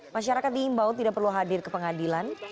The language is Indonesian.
masyarakat diimbau tidak perlu hadir ke pengadilan